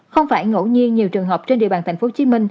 không phải ngẫu nhiên nhiều trường học trên địa bàn tp hcm